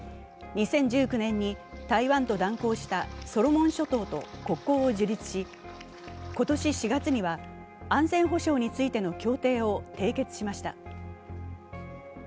２０１９年に台湾と断交したソロモン諸島と国交を樹立し、今年４月には、安全保障についての協定を締結しました。